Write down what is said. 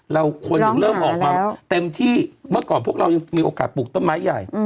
คนถึงเริ่มออกมาเต็มที่เมื่อก่อนพวกเรายังมีโอกาสปลูกต้นไม้ใหญ่